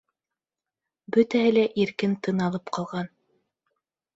Бөтәһе лә иркен тын алып ҡалған.